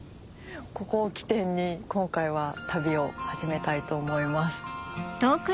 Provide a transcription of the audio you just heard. ここを起点に今回は旅を始めたいと思います。